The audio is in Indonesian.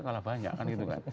kalah banyak kan gitu kan